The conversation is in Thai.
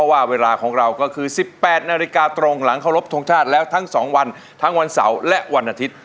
ว่าเวลาของเราก็คือ๑๘นาฬิกาตรงหลังเคารพทงชาติแล้วทั้ง๒วันทั้งวันเสาร์และวันอาทิตย์